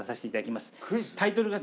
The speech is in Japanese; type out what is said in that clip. タイトルが。